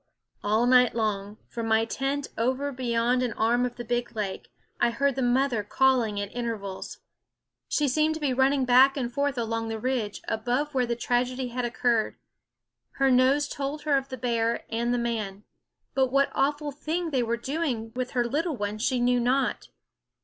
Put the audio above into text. All night long, from my tent over beyond an arm of the big lake, I heard the mother calling at intervals. She seemed to be running back and forth along the ridge, above where the tragedy had occurred. Her nose told her of the bear and the man; but what awful thing they were doing with her little one she knew not.